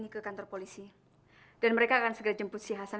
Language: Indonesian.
kenapa bufi gak coba tahan dia sih